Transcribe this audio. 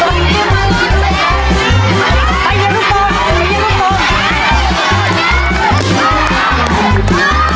เฮ้ยเข้าเลยเข้าเลย